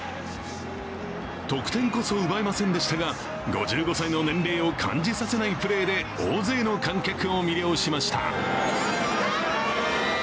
得点こそ奪えませんでしたが、５５歳の年齢を感じさせないプレーで大勢の観客を魅了しました。